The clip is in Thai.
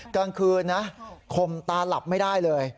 กลางคืนนะข่มตาหลับไม่ได้เลย